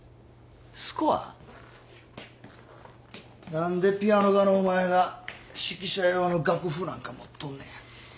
何でピアノ科のお前が指揮者用の楽譜なんか持っとんのや？